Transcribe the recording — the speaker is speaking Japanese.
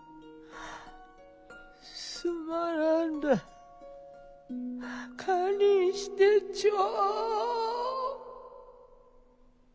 すまなんだ堪忍してちょう。